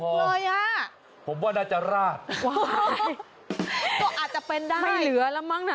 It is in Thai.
เลยอ่ะผมว่าน่าจะราดว้าวก็อาจจะเป็นได้ไม่เหลือแล้วมั้งน่ะ